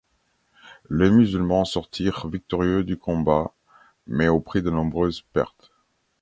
Les musulmans sortirent victorieux du combat mais au prix de nombreuses pertes.